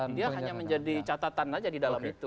dia hanya menjadi catatan aja di dalam itu